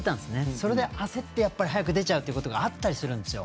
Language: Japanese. それで、焦って早く出ちゃうというのがあるんですよ。